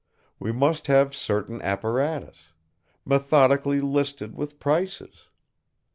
We must have certain apparatus; methodically listed with prices.